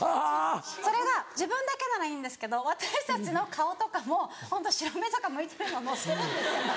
それが自分だけならいいんですけど私たちの顔とかもホント白目とかむいてるのを載せるんですよ。